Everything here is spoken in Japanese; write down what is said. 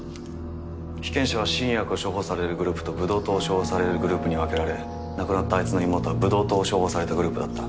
被験者は新薬を処方されるグループとブドウ糖を処方されるグループに分けられ亡くなったあいつの妹はブドウ糖を処方されたグループだった。